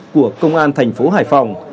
của công an thành phố hải phòng